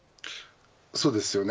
そうですよね。